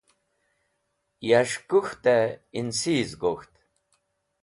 Yas̃h kũk̃htẽ ẽnsiz gok̃ht.